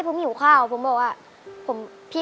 ขอต้อนรับครอบครัวน้องต้นไม้